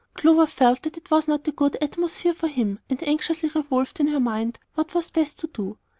Clover felt that it was not a good atmosphere for him, and anxiously revolved in her mind what was best to do.